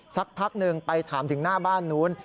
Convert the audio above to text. สักพักหนึ่งไปถามถึงหน้าบ้านนู้น